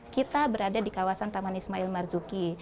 kita berada di kawasan taman ismail marzuki